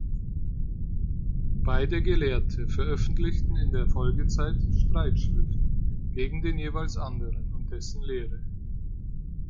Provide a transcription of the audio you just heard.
Beide Gelehrte veröffentlichten in der Folgezeit Streitschriften gegen den jeweils anderen und dessen Lehre.